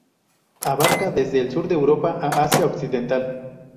Abarca desde el sur de Europa a Asia occidental.